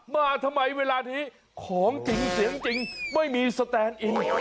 มาทำไมเวลานี้ของจริงเสียงจริงไม่มีสแตนอิน